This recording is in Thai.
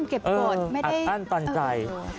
เก็บกฎอัดอั้นตันใจ